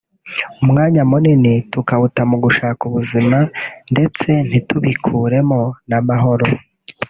umwanya munini tukawuta mu gushaka ubuzima ndetse ntitubikuremo n'amahoro